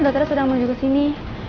dokternya sedang menuju ke sini